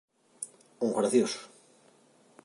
Un gracioso